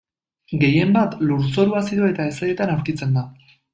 Gehienbat, lurzoru azido eta hezeetan aurkitzen da.